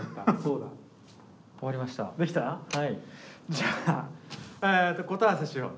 じゃあ答え合わせしよう。